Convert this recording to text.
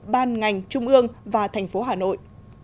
ban ngành trung ương và thành phố hà nội